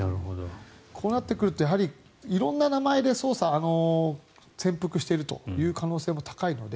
こうなってくると色んな名前で潜伏しているという可能性も高いので。